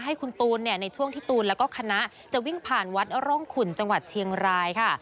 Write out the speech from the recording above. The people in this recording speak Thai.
ให้คุณตูนในช่วงที่ตูนแล้วก็คณะจะวิ่งผ่านวัดร่องขุนจังหวัดเชียงรายค่ะ